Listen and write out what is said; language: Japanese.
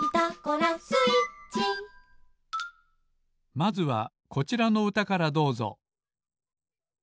まずはこちらのうたからどうぞ。